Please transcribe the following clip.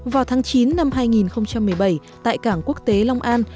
vào tháng chín năm hai nghìn một mươi bảy tại cảng quốc tế long an